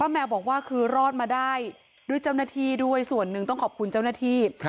แมวบอกว่าคือรอดมาได้ด้วยเจ้าหน้าที่ด้วยส่วนหนึ่งต้องขอบคุณเจ้าหน้าที่